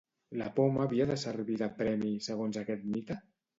La poma havia de servir de premi, segons aquest mite?